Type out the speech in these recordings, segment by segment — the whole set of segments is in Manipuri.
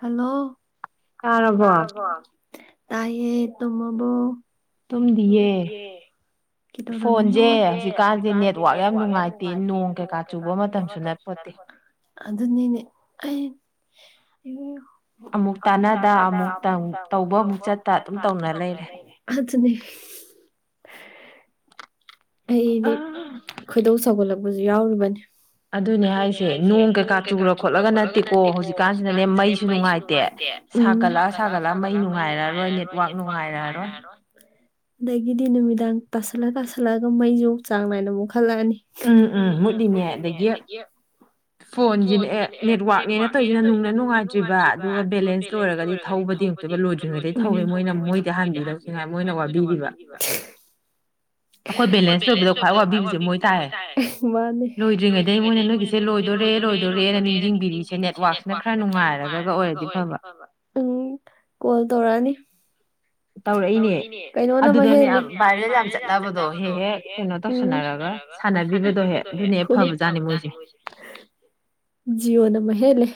ꯍꯜꯂꯣ ꯇꯥꯏꯌꯦ ꯇꯨꯝꯃꯕꯣ ꯇꯨꯝꯕꯤꯌꯦꯦ ꯐꯣꯟꯁꯦ ꯍꯧꯖꯤꯛꯀꯥꯟꯁꯦ ꯅꯦꯠꯋꯥꯛ ꯌꯥꯝ ꯅꯨꯡꯉꯥꯏꯇꯦ ꯅꯣꯡ ꯀꯩꯀꯥ ꯆꯨꯕ ꯃꯇꯝꯁꯨ ꯅꯄꯣꯠꯇꯦ ꯑꯗꯨꯅꯤꯅꯦ ꯑꯩ ꯑꯃꯨꯛ ꯇꯥꯟꯅꯗ ꯑꯃꯨꯛꯇꯪ ꯇꯧꯕ ꯑꯃꯨꯛ ꯆꯠꯄ ꯑꯗꯨꯝ ꯇꯧꯅ ꯂꯩꯔꯦ ꯑꯗꯨꯅꯦ ꯍ ꯑꯩꯗꯤ ꯈꯣꯏꯗꯧ ꯁꯧꯒꯠꯂꯛꯄꯁꯨ ꯌꯥꯎꯔꯨꯕꯅꯤ ꯑꯗꯨꯅꯦ ꯍꯥꯏꯁꯦ ꯅꯣꯡ ꯀꯩꯀꯥ ꯆꯨꯨꯔ꯭ꯔ ꯈꯣꯠꯂꯒ ꯅꯠꯇꯦꯀꯣ ꯍꯧꯖꯤꯛꯀꯥꯟꯁꯤꯅꯅꯦ ꯃꯩꯁꯨ ꯅꯨꯡꯉꯥꯏꯇꯦ ꯁꯥꯀꯠꯂꯛ ꯁꯥꯒꯠꯂ ꯃꯩ ꯅꯨꯡꯉꯥꯏꯔꯔꯣꯏ ꯅꯦꯠꯋꯥꯛ ꯅꯨꯡꯉꯥꯏꯔꯔꯣꯏ ꯑꯗꯒꯤꯗꯤ ꯅꯨꯃꯤꯗꯥꯡ ꯇꯥꯁꯜꯂ ꯇꯥꯁꯜꯂꯛꯑꯒ ꯃꯩꯁꯨ ꯆꯥꯡ ꯅꯥꯏꯅ ꯑꯃꯨꯛ ꯍꯜꯂꯛꯑꯅꯤ ꯎꯝ ꯎꯝ ꯃꯨꯠꯂꯤꯉꯦ ꯑꯗꯒꯤ ꯐꯣꯟꯁꯤꯅꯦ ꯑꯦ ꯅꯦꯠꯋꯥꯛꯅꯦꯅ ꯇꯧꯔꯤꯁꯤꯅ ꯅꯨꯡꯅ ꯅꯨꯡꯉꯥꯏꯇ꯭ꯔꯤꯕ ꯑꯗꯨꯒ ꯕꯦꯂꯦꯟꯁ ꯂꯣꯏꯔꯒꯗꯤ ꯊꯧꯕꯗꯤ ꯌꯦꯛꯇꯕ ꯂꯣꯏꯗ꯭ꯔꯤꯉꯩꯗ ꯊꯧꯋꯦ ꯃꯣꯏꯅ ꯃꯣꯏꯗꯤ ꯍꯥꯟꯕꯤꯗꯧꯁꯤ꯭ꯔꯤꯉꯥꯏ ꯃꯣꯏꯅ ꯋꯥꯕꯤꯔꯤꯕ ꯑꯩꯈꯣꯏ ꯕꯦꯂꯦꯟꯁ ꯂꯣꯏꯕꯗ ꯈ꯭ꯋꯥꯏ ꯋꯥꯕꯤꯕꯁꯦ ꯃꯣꯏ ꯇꯥꯏꯑꯦ ꯃꯥꯅꯦ ꯑꯗꯩ ꯃꯣꯏꯅ ꯅꯣꯏꯒꯤꯁꯦ ꯂꯣꯏꯗꯣꯔꯦ ꯂꯣꯏꯗꯣꯔꯦꯅ ꯅꯤꯡꯁꯤꯡꯕꯤꯔꯤꯁꯦ ꯅꯦꯠꯋꯔꯥꯛꯁꯤꯅ ꯈꯔ ꯅꯨꯡꯉꯥꯏꯔꯒ ꯑꯣꯏꯔꯗꯤ ꯐꯕ ꯎꯝ ꯀꯣꯜ ꯇꯧꯔꯛꯑꯅꯤ ꯇꯧꯔꯛꯏꯅꯦ ꯀꯩꯅꯣꯅ ꯌꯥꯝ ꯚꯥꯏꯔ ꯌꯥꯝ ꯆꯠꯅꯕꯗꯣ ꯍꯦꯛ ꯍꯦꯛ ꯔꯒ ꯁꯥꯟꯅꯕꯤꯕꯗꯣ ꯍꯦ ꯍꯦ ꯐꯕꯖꯥꯠꯅꯤ ꯃꯣꯏꯁꯦ ꯖꯤꯑꯣ ꯅ ꯃ ꯍꯦꯂꯦ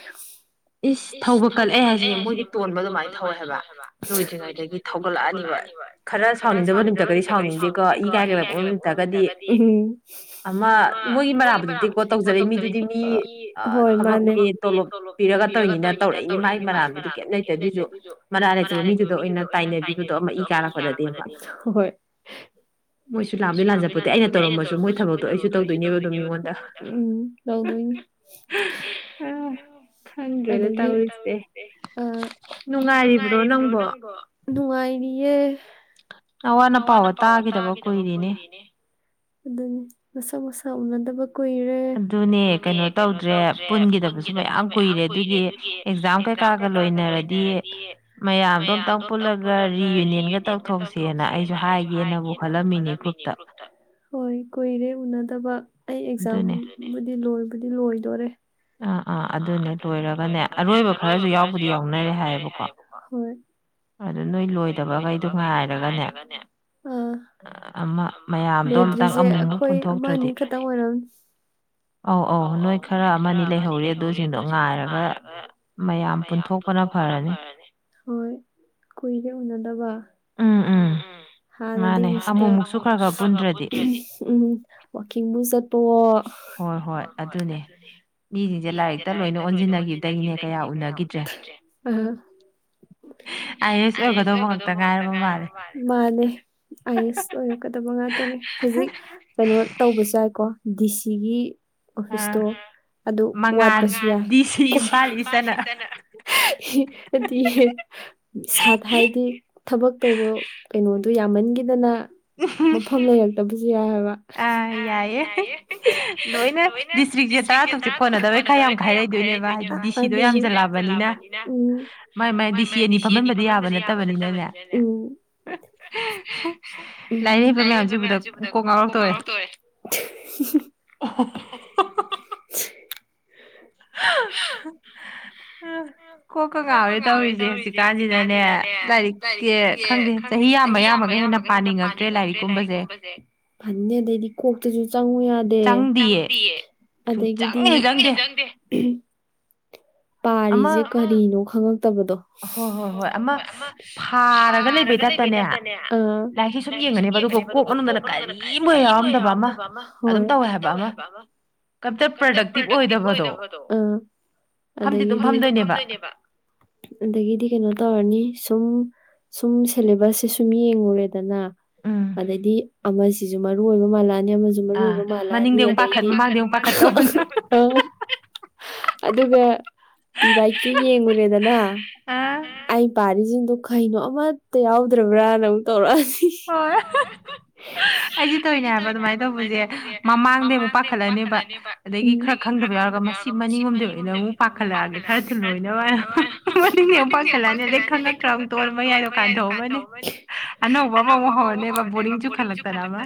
ꯏꯁ ꯊꯧꯕ ꯀꯜꯂꯛꯑꯦ ꯍꯥꯏꯁꯤꯗꯤ ꯃꯣꯏꯒꯤ ꯇꯣꯟꯕ ꯑꯗꯨꯃꯥꯏꯅ ꯊꯧꯋꯦ ꯍꯥꯏꯕ ꯂꯣꯏꯗ꯭ꯔꯤꯉꯩꯗꯒꯤ ꯊꯣꯛꯠꯂꯛꯑꯅꯤꯕ ꯈꯔ ꯁꯥꯎꯅꯤꯡꯗꯕ ꯅꯨꯃꯤꯠꯇꯒꯗꯤ ꯁꯥꯎꯅꯤꯡꯗꯦꯀꯣ ꯏ ꯀꯥꯏꯔꯛꯂꯛꯄ ꯅꯨꯃꯤꯠꯇꯒꯗꯤ ꯑꯃ ꯃꯣꯏꯒꯤ ꯃꯥꯕꯗꯨꯗꯤꯀꯣ ꯇꯧꯖꯔꯛꯏ ꯃꯤꯗꯨꯗꯤ ꯃꯤ ꯊꯕꯛꯅꯦ ꯇꯣꯂꯣꯞ ꯄꯤꯔꯒ ꯇꯧꯔꯤꯅꯤꯅ ꯇꯧꯔꯛꯏꯅꯦ ꯃꯥꯒꯤ ꯃꯔꯥꯜꯗꯤ ꯀꯩꯝ ꯂꯩꯇꯦ ꯑꯗꯨꯏꯁꯨ ꯃꯔꯥꯜ ꯂꯩꯇꯕ ꯃꯤꯗꯨꯗ ꯑꯣꯏꯅ ꯇꯥꯏꯅ ꯥꯏꯅꯕꯤꯕꯗꯣ ꯑꯃ ꯏ ꯀꯥꯔꯛꯄꯗꯅꯤ ꯍꯣꯏ ꯃꯣꯏꯁꯨ ꯂꯥꯟꯗꯤꯩ ꯂꯥꯟꯖꯄꯗꯤ ꯑꯩꯅ ꯇꯧꯔꯝꯃꯁꯨ ꯃꯣꯏ ꯊꯕꯛꯇꯣ ꯑꯩꯁꯨ ꯇꯧꯗꯣꯏꯅꯦꯕ ꯑꯗꯨꯝ ꯃꯤꯉꯣꯟꯗ ꯍ ꯇꯧꯔꯤꯁꯦ ꯅꯨꯡꯉꯥꯏꯔꯤꯕ꯭ꯔꯣ ꯅꯪꯕꯣ ꯅꯨꯡꯉꯥꯏꯔꯤꯌꯦ ꯑꯋꯥ ꯑꯄꯥꯥꯎꯕ ꯇꯥꯈꯤꯗꯕ ꯀꯨꯏꯔꯤꯅꯦ ꯑꯗꯨꯅꯤ ꯃꯁꯛ ꯃꯁꯥ ꯎꯅꯗꯕ ꯀꯨꯏꯔꯦ ꯑꯗꯨꯅꯦ ꯀꯩꯅꯣ ꯇꯧꯗ꯭ꯔꯦ ꯄꯨꯟꯈꯤꯗꯕꯁꯨ ꯃꯌꯥꯝ ꯀꯨꯏꯔꯦ ꯑꯗꯨꯒꯤ ꯍꯛꯖꯥꯡ ꯀꯩꯀꯥꯒ ꯂꯣꯏꯅꯔꯗꯤ ꯃꯌꯥꯝꯗꯣ ꯑꯝꯇ ꯄꯨꯜꯂꯒ ꯔꯤꯌꯨꯅꯤꯌꯟꯒ ꯇꯧꯊꯣꯛꯁꯦꯅ ꯑꯩꯁꯨ ꯍꯥꯏꯒꯦꯅꯕꯨꯂꯝꯃꯤꯅꯦꯒ꯭ꯔꯨꯞꯇ ꯍꯣꯏ ꯀꯨꯏꯔꯦ ꯎꯅꯗꯕ ꯑꯩ ꯑꯦꯛꯖꯥꯝꯕꯨꯗꯤ ꯂꯣꯏꯕꯨꯗꯤ ꯂꯣꯏꯗꯣꯔꯦ ꯑꯥ ꯑꯥ ꯑꯗꯨꯅꯦ ꯂꯣꯏꯔꯒꯅꯦ ꯑꯔꯣꯏꯕ ꯈꯔꯁꯨ ꯌꯥꯎꯕꯗꯤ ꯌꯥꯎꯅꯔꯦ ꯍꯥꯏꯌꯦꯕꯀꯣ ꯑꯗꯨ ꯅꯣꯏ ꯂꯣꯏꯗꯕꯈꯩꯗꯣ ꯉꯥꯏꯔꯒꯅꯦ ꯂꯦꯇ꯭ꯔꯤꯁꯦ ꯑꯩꯈꯣꯏ ꯑꯃꯅꯤ ꯈꯛꯇꯪ ꯑꯣꯏꯔꯝꯅꯤ ꯑꯧ ꯑꯧ ꯅꯣꯏ ꯈꯔ ꯑꯃꯅꯤ ꯂꯩꯍꯧꯔꯦ ꯑꯗꯨꯁꯤꯡꯗꯣ ꯉꯥꯏꯔꯒ ꯃꯌꯥꯝ ꯄꯨꯟꯊꯣꯛꯄꯅ ꯐꯔꯅꯤ ꯀꯨꯏꯔꯦ ꯎꯅꯗꯕ ꯎꯝ ꯎꯝ ꯅꯗꯤ ꯎꯝ ꯋꯥ ꯁꯠꯠꯇꯣ ꯍꯣꯏ ꯍꯣꯏ ꯑꯗꯨꯅꯦ ꯃꯤꯁꯤꯡꯁꯦ ꯂꯥꯏꯔꯤꯛꯇ ꯂꯣꯏꯅ ꯑꯣꯟꯁꯤꯟꯅꯈꯤꯕꯗꯒꯤꯅꯦ ꯀꯌꯥ ꯎꯅꯈꯤꯗ꯭ꯔꯦ ꯑꯁ ꯀ ꯃꯥꯂꯦ ꯑꯥꯏꯁ ꯀꯣ ꯉꯥꯛꯇꯅꯦ ꯍꯧꯖꯤꯛ ꯀꯩꯅꯣ ꯇꯧꯕꯁꯨ ꯌꯥꯏꯀꯣ ꯗꯤ ꯁꯤꯒꯤ ꯑꯣꯐꯤꯁꯇꯣ ꯑꯗꯨ ꯋꯥꯠꯄꯁꯨ ꯌꯥ ꯍꯥꯏꯗꯤ ꯁꯥꯠ ꯍꯥꯏꯗꯤ ꯊꯕꯛ ꯇꯧꯕ ꯀꯩꯅꯣꯗꯣ ꯌꯥꯝꯃꯟꯈꯤꯗꯅ ꯃꯐꯝ ꯂꯩꯔꯛꯇꯕꯁꯨ ꯌꯥꯏ ꯍꯥꯏꯕ ꯑ ꯌꯥꯏꯑꯦ ꯂꯣꯏꯅ ꯗꯤꯁꯇ꯭ꯔꯤꯛꯁꯦ ꯇꯔꯥ ꯇꯨꯛꯁꯦ ꯀꯣꯟꯅꯗꯕꯩ ꯈꯔ ꯌꯥꯝ ꯈꯥꯏꯔꯩꯗꯣꯏꯅꯦꯕ ꯁꯤꯗꯣ ꯌꯥꯝꯖꯜꯂꯛꯑꯕꯅꯤꯅ ꯃꯥꯏ ꯃꯥꯏ ꯗꯤ ꯁꯤ ꯑꯅꯤ ꯐꯝꯍꯟꯕꯗꯤ ꯌꯥꯕ ꯅꯠꯇꯕꯅꯤꯅꯅꯦ ꯅ ꯃ ꯍꯧꯖꯤ ꯉꯥꯎꯔꯛꯇꯣꯔꯦ [inaudible] ꯎ ꯀꯣꯛ ꯀꯉꯥꯋꯦ ꯇꯧꯔꯤꯁꯦ ꯍꯧꯖꯤꯛꯀꯥꯟꯁꯤꯗꯅꯦ ꯂꯥꯏꯔꯤꯛꯀꯤ ꯈꯪꯗꯦ ꯆꯍꯤ ꯌꯥꯝꯃ ꯑ ꯍꯦ ꯄꯥꯅꯤꯡꯉꯛꯇ꯭ꯔꯦ ꯂꯥꯏꯔꯤꯛꯨꯝꯁꯦ ꯐꯅꯤ ꯑꯗꯩꯗꯤ ꯀꯣꯛꯇꯁꯨ ꯆꯪꯉ ꯌꯥꯗꯦ ꯪ ꯑꯗꯒꯤꯗꯤꯪꯉ ꯆꯪꯗꯦ ꯄꯥꯔꯤꯁꯦ ꯀꯔꯤꯅꯣ ꯈꯉ ꯗꯣ ꯍꯣꯏ ꯍꯣꯏ ꯍꯣꯏ ꯑꯃ ꯐꯥꯔꯒ ꯂꯩꯕꯩ ꯇꯇꯅꯦ ꯑꯩ ꯁꯨꯝ ꯌꯦꯡꯒꯅꯦꯕ ꯑꯗꯨꯒ ꯀꯣꯛ ꯃꯅꯨꯡꯗꯅꯨꯡꯅ ꯀꯔꯤ ꯃ ꯌꯥꯎꯔꯝꯗꯕ ꯑꯃ ꯍꯣꯏ ꯑꯗꯨꯝ ꯇꯧꯋꯦ ꯍꯥꯏꯕ ꯑꯃ ꯀꯝꯇ ꯄ꯭ꯔꯗꯛꯇꯤꯚ ꯑꯣꯏꯗꯕꯗꯣ ꯑꯗꯒꯤ ꯑꯗꯨꯝ ꯐꯝꯗꯣꯏꯅꯦꯕ ꯑꯗꯒꯤꯗꯤ ꯀꯩꯅꯣ ꯇꯧꯔꯅꯤ ꯁꯨꯝ ꯁꯨꯝ ꯁꯦꯂꯦꯕꯁꯁꯦ ꯁꯨꯝ ꯌꯦꯡꯉꯨꯔꯦ ꯅ ꯑꯗꯩꯗꯤ ꯑꯃꯁꯤꯁꯨ ꯃꯔꯨꯑꯣ ꯑꯣꯏꯕ ꯃꯥꯂꯥ ꯑꯃꯁꯨ ꯃꯔꯨ ꯑꯣꯏꯕ ꯃꯥꯂꯥꯅꯤ ꯑꯗꯩꯗꯤ ꯑꯗꯨꯒ ꯄꯤꯕꯥꯏꯇꯤ ꯌꯦꯡꯉꯨꯔꯦꯗꯅ ꯑꯩ ꯄꯥꯔꯤꯁꯤꯡ ꯑꯗꯣ ꯈꯩꯅꯣ ꯑꯃꯠꯇ ꯌꯥꯎꯗ꯭ꯔꯕ꯭ꯔꯥꯅ ꯑꯃꯨꯛ ꯇꯧꯔꯛꯑꯁꯤ ꯍ ꯑꯩꯁꯦ ꯇꯧꯔꯤꯅꯦ ꯍꯥꯏꯕ ꯑꯗꯨꯃꯥꯏꯅ ꯇꯧꯕꯁꯦ ꯃꯃꯥꯡꯗꯩ ꯑꯃꯨꯛ ꯄꯥꯈꯠꯂꯅꯦꯕ ꯑꯗꯒꯤ ꯈꯔ ꯈꯪꯗꯕ ꯌꯥꯎꯔ ꯑꯗꯨꯒ ꯃꯁꯤ ꯃꯅꯤꯡ ꯑꯍꯨꯝꯝꯩ ꯑꯣꯏꯅ ꯑꯃꯨꯛ ꯄꯥꯈꯠꯂꯛꯑꯒꯦ ꯈꯔ ꯊꯨꯜ ꯂꯣꯏꯅꯕ ꯍꯥꯏꯅ ꯃꯅꯤꯡ ꯑꯃꯨꯛ ꯄꯥꯈꯠꯂꯛꯑꯅꯤ ꯑꯗꯩ ꯈꯪꯉꯛꯇ꯭ꯔꯥ ꯑꯃꯨꯛꯇꯣ ꯃꯌꯥꯏ ꯗꯨꯀꯥꯟꯗꯣ ꯃꯅꯦ ꯑꯅꯧꯕ ꯑꯃ ꯑꯃꯨꯛ ꯍꯧꯔꯅꯦꯕ ꯕꯣꯔꯤꯡꯁꯨ ꯈꯜꯂꯛ ꯠꯇꯅ ꯑꯃ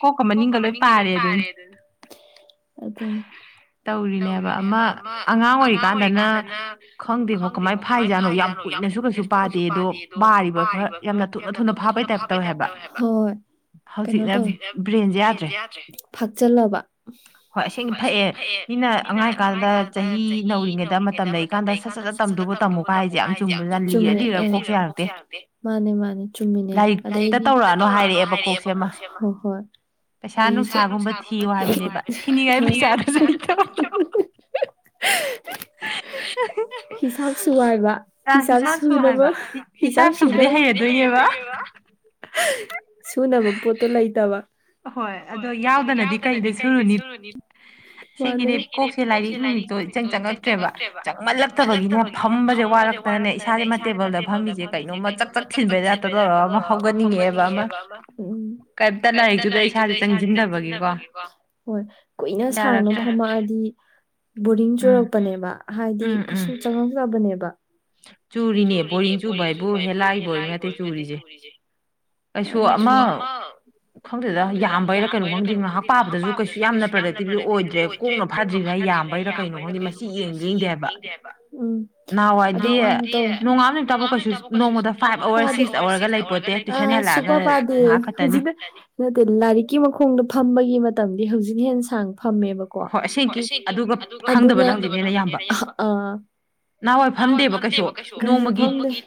ꯀꯣꯛꯀ ꯃꯅꯤꯡꯒ ꯂꯣꯏ ꯄꯥꯔꯦ ꯑꯗꯨꯅ ꯇꯧꯔꯤꯅꯦꯕ ꯑꯃ ꯑꯉꯥꯡ ꯑꯣꯏꯔꯤꯀꯥꯟꯗꯅ ꯈꯪꯗꯦꯕꯣ ꯀꯃꯥꯏ ꯐꯥꯏꯖꯥꯠꯅꯣ ꯌꯥꯝ ꯀꯨꯏꯅꯁꯨ ꯀꯩꯁꯨ ꯄꯥꯗꯦ ꯑꯗꯣ ꯃꯥꯔꯤꯕ ꯈ ꯌꯥꯝꯅ ꯊꯨꯅ ꯊꯨꯅ ꯐꯥꯕꯩ ꯇꯥꯏꯞ ꯇꯧꯋꯦ ꯍꯥꯏꯕ ꯀꯩꯅꯣ ꯇꯧꯋ꯭ꯔ ꯐꯥꯛꯆꯜꯂꯕ ꯍꯣꯏ ꯑꯁꯦꯡꯗꯤ ꯐꯩꯌꯦꯦ ꯃꯤꯅ ꯑꯉꯥꯡ ꯀꯥꯟꯗ ꯆꯍꯤ ꯒꯤ ꯅꯧꯔꯤꯉꯩꯗ ꯃꯇꯝ ꯂꯩꯔꯤꯀꯥꯟꯗ ꯁꯠ ꯁꯠ ꯇꯝꯗꯨꯕ ꯇꯝꯃꯨꯕ ꯍꯥꯏꯁꯦ ꯌꯥꯝ ꯆꯨꯝꯔꯒ ꯀꯣꯛꯁꯨꯦ ꯌꯥꯔꯛꯇꯦ ꯃꯥꯅꯦ ꯃꯥꯅꯦ ꯆꯨꯝꯃꯤꯅꯦ ꯑ ꯇꯧꯔꯛꯅ ꯍꯥꯏꯔꯛꯑꯦꯕ ꯍꯣꯏ ꯍꯣꯏ ꯑꯗꯩ ꯁꯥ ꯅꯨꯡꯁꯥꯒꯨꯝꯕ ꯊꯤꯌꯨ ꯍꯥꯏꯕ ꯊꯤꯅꯤꯡꯉꯥꯏ ꯍ [inaudible] ꯍꯤꯁꯥꯞ ꯆꯥꯏꯕ ꯍꯤꯁꯞ ꯁꯨ ꯂꯕ ꯍꯤꯁꯞ ꯁꯨꯗ ꯁꯨꯅꯕ ꯄꯣꯠꯇꯣ ꯂꯩꯇꯕ ꯑ ꯍꯣꯏ ꯑꯗꯣ ꯌꯥꯎꯗꯅꯗꯤ ꯀꯩꯗꯤ ꯁꯨꯔꯨꯅꯤ ꯁꯤꯒꯤꯅꯦ ꯀꯧꯁꯦ ꯂꯥꯏꯔꯤꯛ ꯅꯨꯃꯤꯛꯇꯣ ꯆꯪ ꯆꯪꯉꯛꯇ꯭ꯔꯦꯕ ꯆꯪꯃꯜꯂꯛꯇꯕꯒꯤꯅꯦ ꯐꯝꯕꯁꯦ ꯋꯥꯔꯛꯇꯅꯅꯦ ꯏꯁꯥꯁꯦ ꯃꯥ ꯇꯦꯕꯜꯗ ꯐꯝꯃꯤꯁꯦ ꯀꯩꯅꯣ ꯦ ꯀꯩꯅꯣꯝꯃ ꯆꯥꯛ ꯆꯥꯛꯁꯤꯟꯕꯩꯖꯥꯇ ꯇꯧꯔꯒ ꯑꯃ ꯍꯧꯒꯟꯅꯤꯡꯉꯦꯕ ꯑꯃ ꯀꯔꯤꯗ ꯏꯁꯥꯁ ꯍꯣꯏ ꯀꯨꯏꯅ ꯁꯥꯡꯅ ꯐꯝꯃꯛꯑꯗꯤ ꯕꯣꯔꯗꯤꯡ ꯆꯨꯔꯛꯄꯅꯦꯕ ꯍꯥꯏꯗꯤ ꯀꯩꯁꯨ ꯆꯪꯉꯧꯖꯕꯅꯦꯕ ꯆꯨꯔꯤꯅꯦ ꯕꯣꯔꯤꯡ ꯆꯨꯕ ꯍꯥꯏꯕꯨ ꯍꯦꯛꯂꯥꯛꯏ ꯕꯣꯔꯤꯡ ꯅꯠꯇꯦ ꯆꯨꯔꯤꯁꯦ ꯀꯩꯁꯨ ꯑꯃ ꯈꯪꯗꯦꯗ ꯌꯥꯝꯕꯩꯔꯥ ꯀꯩꯅꯣ ꯈꯪꯗꯦ ꯉꯥꯏꯍꯥꯛ ꯄꯥꯕꯗꯁꯨ ꯀꯩꯁꯨ ꯌꯥꯝꯅ ꯄ꯭ꯔꯗꯛꯇꯤꯕꯁꯨ ꯑꯣꯏꯗ꯭ꯔꯦ ꯀꯣꯛꯅ ꯐꯥꯗ꯭ꯔꯤꯉꯩ ꯌꯥꯗ꯭ꯔꯤꯔ ꯌꯥꯝꯕꯩꯅ ꯀꯩꯅꯣꯒꯤ ꯃꯁꯤ ꯌꯦꯡꯕ ꯍꯩꯅꯦꯦꯕ ꯎ ꯅꯣꯡꯉꯥꯝ ꯅꯨꯃꯤꯕꯨꯥꯎ ꯀꯩ ꯅꯣꯡꯃꯗ ꯑꯋꯥꯔ ꯁꯤꯁ ꯑꯋꯥꯔꯒ ꯂꯩ ꯍꯧꯖꯤꯛ ꯅꯠꯇꯦ ꯂꯥꯏꯔꯤꯛꯀꯤ ꯃꯈꯣꯡꯗ ꯐꯝꯕꯒꯤ ꯃꯇꯝꯗꯤ ꯍꯧꯖꯤꯛꯅ ꯍꯦ ꯁꯥꯡ ꯐꯝꯃꯦꯕꯀꯣ ꯑ ꯅꯅꯥꯋꯥ ꯐꯟꯗꯦꯕ ꯀꯩ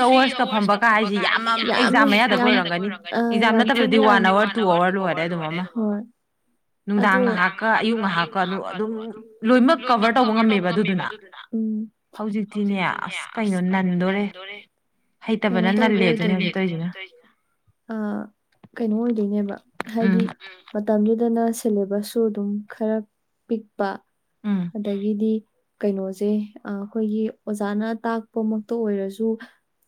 ꯊ꯭ꯔꯤ ꯑꯋꯥꯔꯁꯀ ꯐꯝꯕꯒ ꯍꯥꯏꯁꯤ ꯌꯥꯝ ꯃꯌꯥꯗ ꯑꯣꯏꯔꯝꯒꯅꯤ ꯗꯤ ꯋꯥꯟ ꯑꯋꯥꯔ ꯇꯨ ꯑꯋꯥꯔ ꯂ ꯑꯣꯏꯔꯦ ꯑꯗꯨ ꯅꯨꯡꯗꯥꯡ ꯉ ꯉ ꯇ ꯉ ꯑꯗꯨꯗꯨꯅ ꯍꯧꯖꯤꯛꯇꯤꯅꯦ ꯑꯁ ꯀꯩꯅꯣ ꯅꯟꯗꯣꯔꯦ ꯍꯩꯇꯕꯅ ꯅꯜꯂꯦ ꯑꯗꯨꯅꯦ ꯍꯧꯖꯤꯛ ꯇꯧꯔꯤꯁꯤꯅ ꯀꯩꯅꯣ ꯑꯣꯏꯗꯣꯏꯅꯦꯕ ꯍꯥꯏꯗꯤ ꯃꯇꯝꯗꯨꯗꯅ ꯁꯤꯦꯂꯦꯕꯁꯁꯨ ꯑꯗꯨꯝ ꯈꯔ ꯄꯤꯛ ꯄ ꯑꯗꯒꯤꯗꯤ ꯀꯩꯅꯣꯁꯦ ꯑꯩꯈꯣꯏꯒꯤ ꯑꯣꯖꯥꯅ ꯇꯥꯛꯄꯃꯛꯇ ꯑꯣꯏꯔꯁꯨ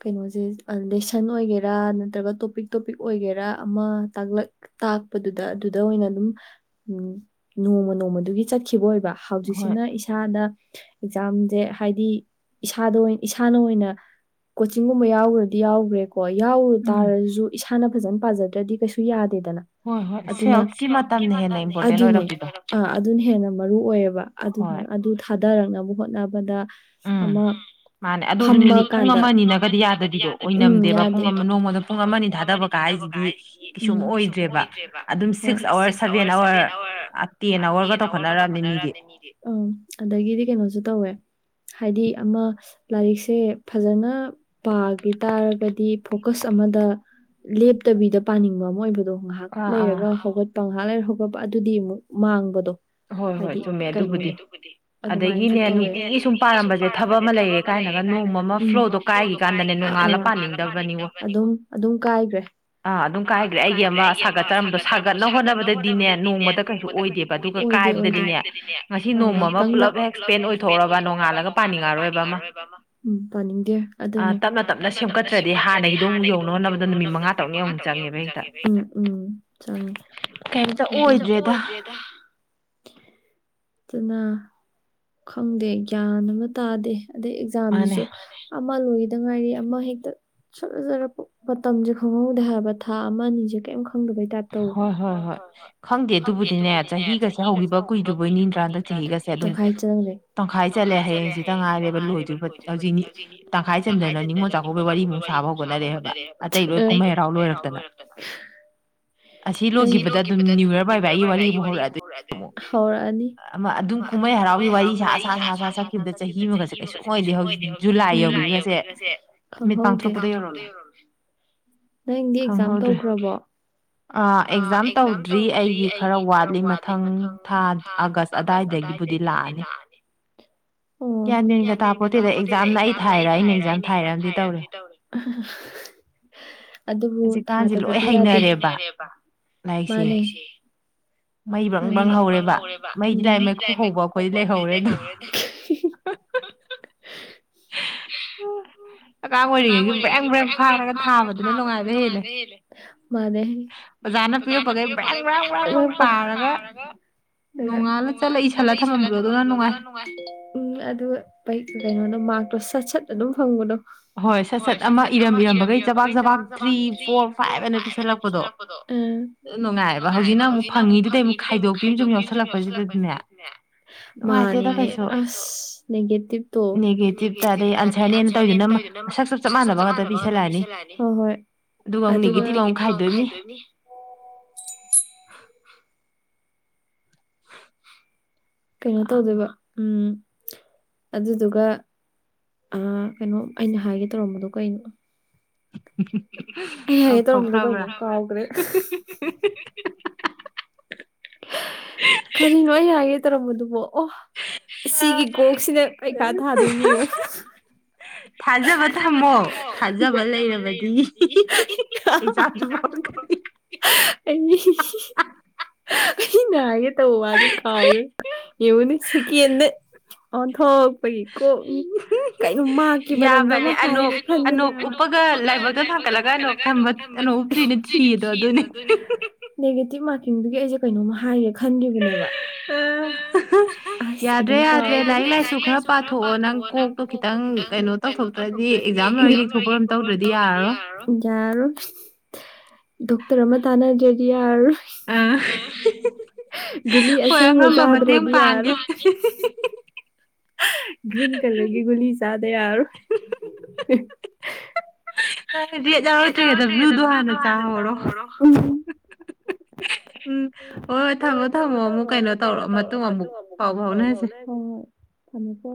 ꯀꯩꯅꯣꯁꯦ ꯂꯦꯁꯟ ꯑꯣꯏꯒꯦꯔꯥ ꯅꯠꯇ꯭ꯔꯒ ꯇꯣꯄꯤꯛ ꯇꯣꯄꯤꯛ ꯑꯣꯏꯒꯦꯔꯥ ꯑꯃ ꯇꯥꯛꯂꯛ ꯇꯥꯛꯄꯗꯨꯗ ꯑꯗꯨꯗ ꯑꯣꯏꯅ ꯑꯗꯨꯝ ꯎꯝ ꯅꯣꯡꯃ ꯅꯣꯡꯃꯗꯨꯒꯤ ꯆꯠꯈꯤꯕ ꯑꯣꯏꯕ ꯍꯧꯖꯤꯛꯁꯤꯅ ꯏꯁꯥꯅ ꯑꯦꯛꯖꯥꯝꯁꯦ ꯍꯥꯏꯗꯤ ꯏꯁꯥꯗ ꯑꯣꯏꯅ ꯏꯁꯥꯅ ꯑꯣꯏꯅ ꯀꯣꯆꯤꯡꯒꯨꯝꯕ ꯌꯥꯎꯈ꯭ꯔꯗꯤ ꯌꯥꯎꯈ꯭ꯔꯦꯀꯣ ꯌꯥꯎꯔꯨ ꯇꯥꯔꯁꯨ ꯏꯁꯥꯅ ꯐꯖꯅ ꯄꯥꯖꯗ꯭ꯔꯗꯤ ꯀꯩꯁꯨ ꯌꯥꯗ ꯗꯅ ꯑꯗꯨꯅ ꯑꯗꯨꯅ ꯍꯦꯟꯅ ꯃꯔꯨ ꯑꯣꯏꯌꯦꯕ ꯑꯗꯨꯗꯨꯅ ꯑꯗꯨ ꯊꯥꯗꯔꯛꯅꯕ ꯍꯣꯠꯅꯕꯗ ꯑꯃ ꯃꯥꯅꯦ ꯑꯗꯨꯗꯤ ꯃꯤꯅꯤꯠ ꯄꯨꯡ ꯑꯃꯅꯒꯗꯤ ꯌꯥꯗꯕꯤꯗꯣ ꯑꯣꯏꯅꯝꯗꯦꯕ ꯄꯨꯡ ꯑꯃ ꯅꯣꯡꯃꯗ ꯄꯨꯡ ꯑꯃ ꯑꯅꯤ ꯊꯥꯗꯕ ꯀꯥꯏ ꯁꯤꯗꯤ ꯑꯣꯏꯗ꯭ꯔꯦ ꯑꯗꯨꯝꯛ ꯑꯋꯥꯔ ꯁꯚꯦꯟ ꯑꯋꯥꯔ ꯇꯦꯟ ꯑꯋꯥꯔꯒꯠꯅ ꯃꯤꯗꯤ ꯎꯝ ꯑꯗꯒꯤꯗꯤ ꯀꯩꯅꯣꯁꯨ ꯇꯧꯋꯦ ꯍꯥꯏꯗꯤ ꯑꯃ ꯂꯥꯏꯔꯤꯛꯁꯦ ꯐꯖꯅ ꯄꯥꯈꯤ ꯇꯥꯔꯒꯗꯤ ꯐꯣꯀꯁ ꯑꯃꯗ ꯂꯦꯞꯇꯕꯤꯗ ꯄꯥꯅꯤꯡꯕ ꯑꯃ ꯑꯣꯏꯕꯗꯣ ꯉꯥꯏꯍꯥꯛ ꯂꯩꯔꯒ ꯍꯧꯒꯠꯄ ꯉꯥꯏꯍꯥꯛ ꯂꯩꯔ ꯍꯧꯒꯠꯄ ꯑꯗꯨꯗꯤ ꯑꯃꯨꯛ ꯃꯥꯡꯕꯗꯣ ꯍꯥꯏꯗꯤ ꯀꯩꯅꯕꯨ ꯑꯗꯨꯃꯥꯏ ꯇꯋ ꯅꯨꯄꯤꯒꯤ ꯁꯨꯝ ꯄꯥꯔꯝꯕꯁꯦ ꯊꯕꯛ ꯑꯃ ꯂꯩ ꯂꯩꯔꯦ ꯀꯥꯏꯅꯒ ꯂꯣꯡ ꯑꯃ ꯐ꯭ꯂꯣꯗꯣ ꯀꯥꯏꯈꯤ ꯀꯥꯟꯗ ꯃꯉꯥꯜꯂ ꯄꯥꯅꯤꯡꯗꯕ꯭ꯔ ꯑꯗꯨꯝ ꯑꯗꯨꯝ ꯀꯥꯏꯈ꯭ꯔꯦ ꯑꯥ ꯑꯗꯨꯝ ꯀꯥꯏꯈ꯭ꯔꯦ ꯑꯩꯒꯤ ꯑꯃ ꯁꯥꯒꯠꯆꯔꯝꯕꯗꯣꯠ ꯐ ꯀꯟꯅ ꯍꯣꯠꯅꯕꯗꯗꯤꯅꯦ ꯅꯣꯡꯃꯗ ꯀꯩꯁꯨ ꯑꯣꯏꯗꯦꯕ ꯀꯥꯏꯕꯗꯗꯤꯅꯦ ꯃꯁꯤ ꯈꯪꯗꯕ ꯄꯨꯂꯞ ꯑꯦꯛꯁꯄꯦꯟ ꯑꯣꯏꯊꯣꯛꯔꯕ ꯅꯣꯡꯉꯥꯜꯂꯒ ꯄꯥꯅꯤꯡꯉꯔꯣꯏꯕ ꯑꯃ ꯎꯝ ꯄꯥꯅꯤꯡꯗꯦ ꯑꯗꯨꯅꯦ ꯇꯞꯅ ꯇꯞꯅ ꯁꯦꯝꯒꯠꯇ꯭ꯔꯗꯤ ꯍꯥꯟꯅꯒꯤ ꯑꯗꯨꯝ ꯌꯧꯅꯣꯅꯕꯗ ꯅꯨꯃꯤꯠ ꯃꯉꯥ ꯇꯔꯛ ꯎꯝ ꯆꯪꯉꯦ ꯀꯩꯝꯇ ꯑꯣꯏꯗ꯭ꯔꯦꯗ ꯑꯗꯨꯅ ꯈꯪꯗꯦ ꯒ꯭ꯌꯥꯟ ꯑꯃ ꯇꯥꯗꯦ ꯑꯗꯩ ꯑꯦꯛꯖꯥꯝꯁꯤꯁꯨ ꯑꯃ ꯂꯣꯏꯈꯤꯗ ꯉꯥꯏꯔꯤ ꯑꯃ ꯍꯦꯛꯇ ꯆꯠꯂ ꯆꯠꯄ ꯃꯇꯝꯁꯦ ꯈꯪꯍꯧꯗꯦ ꯍꯥꯏꯕ ꯊꯥ ꯑꯃꯅꯤ ꯑꯅꯤꯁꯦ ꯀꯔꯤꯩꯝꯪ ꯇꯧꯋ ꯍꯣꯏ ꯍꯣꯏ ꯍꯣꯏ ꯈꯪꯗꯦ ꯑꯗꯨꯕꯨꯗꯤꯅꯦ ꯆꯍꯤꯒꯁꯦ ꯍꯧꯈꯤꯕ ꯀꯨꯏꯗ꯭ꯔꯤꯕꯩꯅꯤꯗ꯭ꯔ ꯈ ꯆ ꯇꯪꯈꯥꯏ ꯆꯜꯂꯦ ꯍꯌꯦꯡꯁꯤꯗ ꯉꯥꯏꯔꯦꯕ ꯂꯣꯏꯁꯨ ꯍꯧꯖꯤꯛꯅꯤ ꯇꯪꯈꯥꯏ ꯆꯟꯊꯔꯅꯤ ꯃꯣ ꯋꯥꯔꯤꯃꯨꯛ ꯁꯥꯕ ꯍꯣꯠꯅꯔꯦ ꯂꯣꯏ ꯀꯨꯝꯍꯩ ꯍꯔꯥꯎ ꯂꯣꯏꯔꯛꯇ ꯑꯁꯤ ꯂꯣꯏꯈꯤꯕꯗ ꯑꯗꯨꯝ ꯅꯅꯤꯨ ꯌꯔ ꯄꯥꯏꯕ ꯑꯩꯒꯤ ꯋꯥꯔꯤ ꯑꯃ ꯍꯧꯔꯛꯑꯦ ꯑꯗꯨ ꯍꯧꯔꯛꯑꯅꯤ ꯑꯗꯨꯝ ꯀꯨꯝꯍꯩ ꯍꯔꯥꯎ ꯀꯨꯝꯩ ꯍꯔꯥꯎꯒꯤ ꯋꯥꯔꯤ ꯁꯥ ꯁꯥ ꯁꯥ ꯁꯥ ꯁꯠꯈꯤꯕꯗ ꯆꯍꯤ ꯑꯃꯒꯁꯦ ꯀꯩꯁꯨ ꯑꯣꯏꯗꯦ ꯍꯧꯖꯤ ꯖꯨꯂꯥꯏ ꯌꯧꯒꯁꯦ ꯇꯧꯍꯧꯗꯦ ꯅꯪꯗꯤ ꯑꯦꯛꯖꯥꯝ ꯇꯧꯈ꯭ꯔꯕꯣ ꯑ ꯑꯦꯛꯖꯥꯝ ꯇꯧꯗ꯭ꯔꯤ ꯑꯩꯒꯤ ꯈꯔ ꯋꯥꯠꯂꯤ ꯃꯊꯪ ꯊꯥ ꯑꯥꯒꯁ ꯑꯗꯨꯗꯥꯏꯗꯒꯤ ꯑꯗꯨꯗꯒꯤꯕꯨꯗꯤ ꯂꯥꯛꯑꯅꯤ ꯑꯣ ꯒ꯭ꯌꯥꯟꯗꯦꯟꯒ ꯇꯥꯄꯣꯠꯇꯦꯗ ꯑꯦꯛꯖꯥꯝꯅ ꯑꯩ ꯊꯥꯏꯔ ꯑꯩꯅ ꯑꯦꯛꯖꯥꯝ ꯊꯥꯏꯔꯛꯑꯝꯗꯤ ꯇꯧꯔꯦ ꯑꯗꯨꯕꯨ ꯊꯥꯗꯕꯗꯤ ꯌꯥꯗꯦ ꯃꯥꯅꯦ ꯃꯩ ꯕ꯭ꯔꯪꯕꯪ ꯍꯧꯧꯔꯦꯕ ꯃꯩꯗꯤ ꯂꯥꯏꯃꯩ ꯈꯨꯍꯧꯕ ꯑꯩꯈꯣꯏꯗꯤ ꯂꯩꯍꯧꯔꯦ ꯑꯗꯣ [inaudible] [unintelligible] ꯑꯉꯥꯡ ꯑꯣꯏꯔꯤꯉꯩꯁꯨ ꯕ꯭ꯔꯦꯝ ꯕ꯭ꯔꯦꯝ ꯐꯥꯔꯒ ꯊꯥꯕꯗꯨꯅ ꯅꯨꯡꯉꯥꯏꯕ ꯍꯦꯜꯂꯦ ꯃꯥ ꯒꯅ ꯄꯤꯔ ꯄꯒ ꯍꯥꯏꯕ ꯑꯗꯨꯒ ꯅꯣꯡꯉꯥꯜꯂꯒ ꯆꯠꯂꯏ ꯁꯜꯂꯒ ꯊꯝꯃꯝꯕꯗꯣ ꯑꯗꯨ ꯅꯨꯡꯉꯥꯏ ꯎꯝ ꯑꯗꯨꯒ ꯀꯩꯅꯣ ꯣ ꯁꯠ ꯁꯠ ꯑꯗꯨꯝ ꯐꯪꯕꯗꯣ ꯍꯣꯏ ꯁꯠ ꯁꯠ ꯑꯃ ꯏꯔꯝ ꯏꯔꯝꯕꯈꯩ ꯆꯕꯥꯛ ꯆꯕꯥꯛ ꯊ꯭ꯔꯤ ꯐꯣꯔ ꯐꯥꯏꯚ ꯑꯅ ꯄꯤꯁꯜꯂꯛꯄꯗꯣ ꯎꯝ ꯅꯨꯡꯉꯥꯏꯑꯕ ꯍꯧꯖꯤꯛꯅ ꯑꯃꯨꯛ ꯐꯪꯉꯤꯗꯨꯗ ꯑꯃꯨꯛ ꯈꯥꯏꯗꯣꯛꯄꯤ ꯁꯨꯝ ꯌꯥꯎꯁꯜꯂꯛꯄꯁꯤꯗꯗꯤꯅꯦ ꯃꯥ ꯑꯁ ꯅꯇꯕ ꯇꯣ ꯅꯇ ꯇꯔꯦ ꯑꯟꯖꯅꯤ ꯑꯗꯨꯛ ꯆꯞ ꯆꯞ ꯃꯥꯟꯅꯕ ꯉꯥꯛꯇ ꯄꯤꯤꯁꯜꯂꯛꯑꯅꯤ ꯑꯗꯨꯒꯅꯨꯡꯤꯒꯤꯗꯤ ꯃꯨ ꯈꯥꯏꯗꯣꯏꯅꯤ ꯀꯩꯅꯣ ꯇꯧꯗꯕ ꯎꯝ ꯑꯗꯨꯗꯨꯒ ꯀꯩꯅꯣ ꯑꯩꯅ ꯍꯥꯏꯒꯦ ꯇꯧꯔꯝꯕꯗꯣ ꯀꯩꯅꯣ [inaudible] ꯍꯌꯦ ꯇꯧꯔꯝꯕꯗꯣ ꯀꯩꯅꯣ ꯀꯥꯎꯈ꯭ꯔꯦ ꯀꯔꯤꯅꯣ ꯌꯥꯒꯦ ꯇꯧꯔꯝꯕꯗꯨꯕꯣ ꯑꯣ ꯁꯤꯒꯤ ꯀꯣꯛꯁꯤꯅ ꯀꯩꯀꯥ ꯊꯥꯗꯣꯏꯅꯤ ꯊꯥꯖꯕ ꯊꯝꯃꯣ ꯊꯥꯖꯕ ꯂꯩꯔꯕꯗꯤ ꯍꯥꯛ ꯆ ꯑꯩ ꯑꯩ ꯉ ꯍꯋꯥꯗꯤ ꯀꯥꯏꯦ ꯏꯉꯅꯤ ꯁꯤꯀꯤꯟꯅ ꯑꯣꯟꯊꯣꯛꯄꯒꯤ ꯀꯣꯛ ꯀꯩꯅꯣ ꯃꯔꯗ ꯍꯥꯏꯔ ꯈꯪꯕꯅꯦ ꯎꯞꯄꯒ ꯂꯥꯏꯕꯒ ꯊꯥꯡꯒꯠꯂꯒꯣꯛ ꯊ ꯅꯦꯦꯇꯤꯚ ꯃꯥꯔꯀꯤꯡꯗꯨꯒꯤ ꯑꯩꯁꯦ ꯀꯩꯅꯣꯝꯃ ꯍꯥꯏꯒꯦ ꯈꯟꯈꯤꯕꯅꯦꯕ ꯌꯥꯗ꯭ꯔꯦ ꯌꯥꯗ꯭ꯔꯦ ꯂꯥꯏꯔꯤꯛ ꯂꯥꯏꯁꯨ ꯈꯔ ꯄꯥꯊꯣꯛꯑꯣ ꯅꯪ ꯀꯣꯛꯇꯣ ꯈꯤꯇꯪ ꯀꯩꯅꯣ ꯇꯧꯊꯣꯛꯇ꯭ꯔꯗꯤ ꯑꯦꯛꯖꯥꯝ ꯂꯣꯏꯔꯒ ꯌꯦꯡꯊꯣꯛꯄ ꯇꯧꯗ꯭ꯔꯗꯤ ꯌꯥꯔꯔꯣꯏ ꯗꯣꯛꯇꯔ ꯑꯃ ꯇꯅꯖꯔꯤꯌꯥ ꯑꯥ ꯒꯨꯂꯤ ꯑꯁꯪꯕ ꯀꯥꯗ꯭ꯔꯗꯤ ꯑꯔ ꯭ꯔꯤꯟ ꯀꯂꯔꯒꯤꯒꯣꯂꯤ ꯆꯥꯗꯦꯔ ꯍ ꯅꯗꯤ ꯌꯥꯔꯛꯇ꯭ꯔꯤꯒꯦꯗ ꯕ꯭ꯂꯨꯗꯣ ꯍꯥꯟꯅ ꯆꯥ꯭ꯔꯣ ꯎ ꯎꯝ ꯍꯣꯏ ꯍꯣꯏ ꯊꯝꯃꯣ ꯊꯝꯃꯣ ꯑꯃꯨꯛ ꯀꯩꯅꯣ ꯇꯧꯔꯛ ꯃꯇꯨꯡ ꯑꯃꯨꯛ ꯄꯥꯎ ꯐꯥꯎꯅꯁꯦ ꯊꯃꯀꯣ